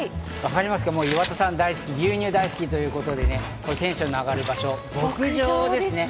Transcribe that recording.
岩田さん大好き、牛乳が大好きということでテンションの上がる場所、牧場です。